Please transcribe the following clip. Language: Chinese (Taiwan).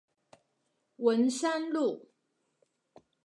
文山路